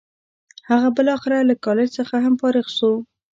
هغه بالاخره له کالج څخه هم فارغ شو.